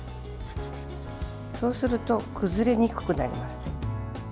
そうすると崩れにくくなります。